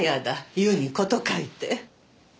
言うに事欠いて。